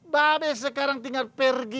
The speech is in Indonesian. babi sekarang tinggal pergi